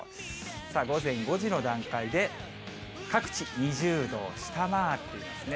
午前５時の段階で、各地２０度を下回っていますね。